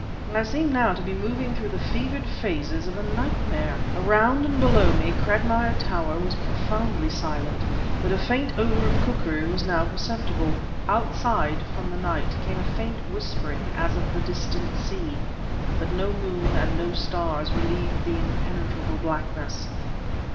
I seemed now to be moving through the fevered phases of a nightmare. Around and below me Cragmire Tower was profoundly silent, but a faint odor of cookery was now perceptible. Outside, from the night, came a faint whispering as of the distant sea, but no moon and no stars relieved the impenetrable blackness.